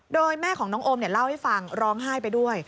โดยแม่ของน้องโอมเล่าให้ฟังร้องไห้ไปด้วย